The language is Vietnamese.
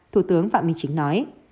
thủ tướng phạm minh chính nói